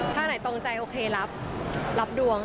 ถ้าอันไหนตรงใจโอเครับรับดวง